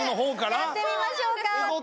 やってみましょうかって。